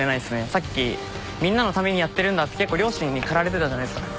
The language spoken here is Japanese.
さっきみんなのためにやってるんだって良心に駆られてたじゃないですか。